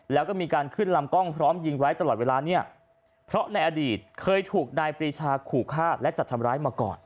แล้วก็มีการขึ้นลำกล้องพร้อมยิงไว้ตลอดเวลาเนี่ยเพราะในอดีตเคยถูกนายปรีชาขู่ฆ่าและจัดทำร้ายมาก่อน